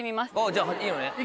じゃあいいのね。